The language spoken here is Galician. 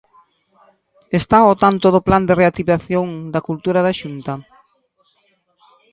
Está ao tanto do Plan de Reactivación da Cultura da Xunta?